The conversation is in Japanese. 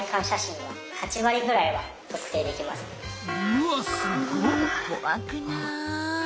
うわすごい！